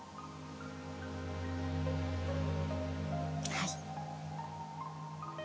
はい。